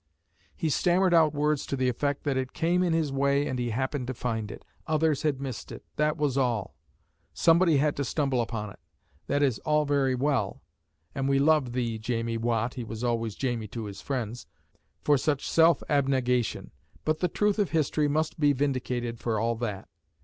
He stammered out words to the effect that it came in his way and he happened to find it; others had missed it; that was all; somebody had to stumble upon it. That is all very well, and we love thee, Jamie Watt (he was always Jamie to his friends), for such self abnegation, but the truth of history must be vindicated for all that.